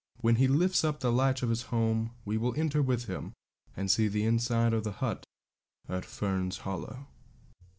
When he lifts up the latch of his home we will enter with him, and see the inside of the hut at Fern's Hollow.